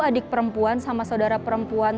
adik perempuan sama saudara perempuan